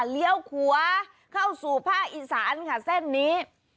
เลี้ยวขัวเข้าสู่ผ้าอิษรรค่ะเส้นนี้